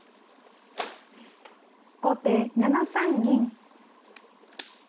後手７三銀。